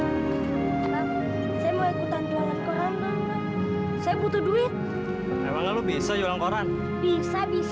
aku dingin ini juga bang